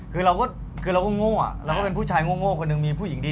คือเราก็โง่เราก็เป็นผู้ชายโง่คนนึง